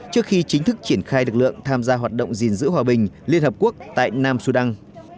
trước khi chính thức triển khai lực lượng tham gia hoạt động gìn giữ hòa bình liên hợp quốc tại nam sudan